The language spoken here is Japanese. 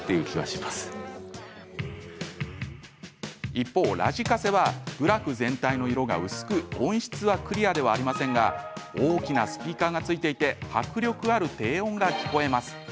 一方、ラジカセはグラフ全体の色が薄く音質はクリアではありませんが大きなスピーカーがついていて迫力ある低音が聞こえます。